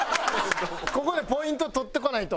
ここでポイント取ってこないと。